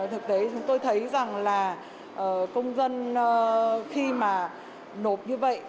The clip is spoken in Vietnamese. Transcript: thực tế chúng tôi thấy rằng là công dân khi mà nộp như vậy